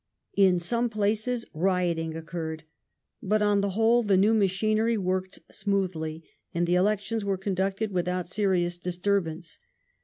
In some places riot ing occurred, but on the whole the new machinery worked smoothly, and the elections were conducted without serious disturbance.